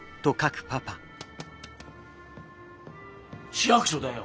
市役所だよ。